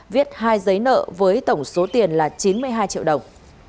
viết hai giấy nợ với tổng số tiền là chín mươi hai triệu đồng